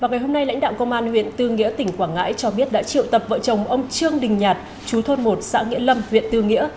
vào ngày hôm nay lãnh đạo công an huyện tư nghĩa tỉnh quảng ngãi cho biết đã triệu tập vợ chồng ông trương đình nhạt chú thôn một xã nghĩa lâm huyện tư nghĩa